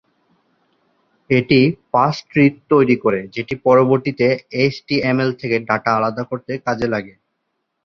এটি parse tree তৈরী করে, যেটি পরবর্তীতে এইচটিএমএল থেকে ডাটা আলাদা করতে কাজে লাগে।